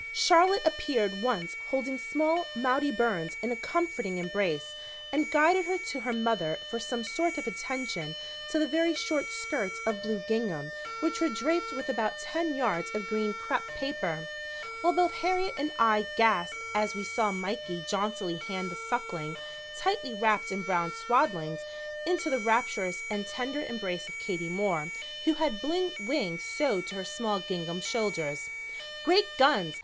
Charlotte appeared once holding small Maudie Burns in a comforting embrace and guided her to her mother for some sort of attention to the very short skirts of blue gingham which were draped with about ten yards of green crepe paper, while both Harriet and I gasped as we saw Mikey jauntily hand the Suckling, tightly wrapped in brown swaddlings, into the rapturous and tender embrace of Katie Moore, who had blue wings sewed to her small gingham shoulders. "Great Guns!